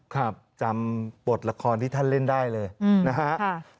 ครับจำบทละครที่ท่านเล่นได้เลยนะฮะ